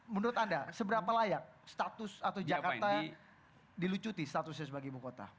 menurut anda seberapa layak status atau jakarta dilucuti statusnya sebagai ibu kota